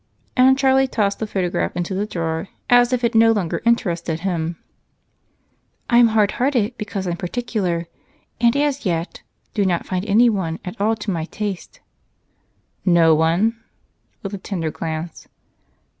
And Charlie tossed the photograph into the drawer as if it no longer interested him. "I'm hard hearted because I'm particular and, as yet, do not find anyone at all to my taste." "No one?" with a tender glance.